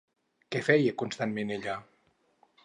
Què feia constantment ella?